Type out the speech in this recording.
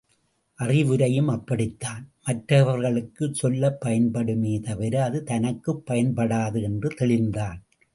அறிவுரையும் அப்படித்தான் மற்றவர்களுக்குச் சொல்லப் பயன்படுமே தவிர அது தனக்குப் பயன்படாது என்று தெளிந்தான்.